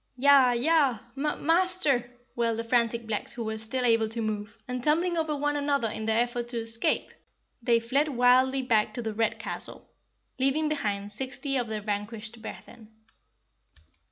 "Yah, yah, mah MASTER!" wailed the frantic blacks who were still able to move, and tumbling over one another in their effort to escape, they fled wildly back to the Red Castle, leaving behind sixty of their vanquished brethren.